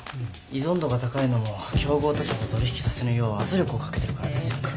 依存度が高いのも競合他社と取引させぬよう圧力をかけてるからですよね。